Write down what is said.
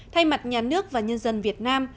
thay mặt nhà nước và nhân dân việt nam